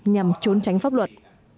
nhằm trốn tránh pháp luật